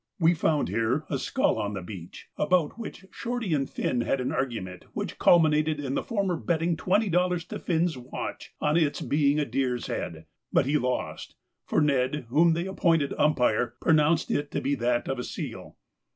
We found here a skull on the beach, about which Shorty and Finn had an argument which culminated in the former betting twenty dollars to Finn's watch on its being a deer's head; but he lost, for Ned, whom they appointed umpire, pronounced it to be that of a seal.